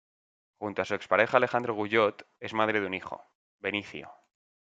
Junto a su ex pareja Alejandro Guyot, es madre de un hijo, Benicio.